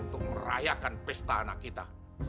untuk merayakan pesta anak kita